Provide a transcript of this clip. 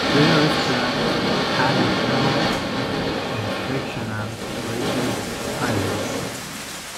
The restaurant had a health inspection and rated highly.